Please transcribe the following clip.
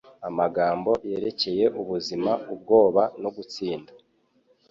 Amagambo Yerekeye Ubuzima, Ubwoba no gutsinda